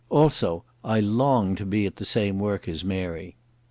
Also I longed to be at the same work as Mary.